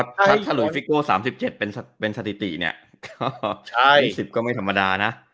ถ้าฉลยฟิกโก้๓๗เป็นสถิติเนี่ยก็๒๐ก็ไม่ธรรมดานะ